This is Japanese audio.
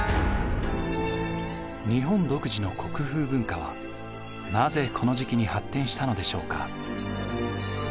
日本独自の国風文化はなぜこの時期に発展したのでしょうか？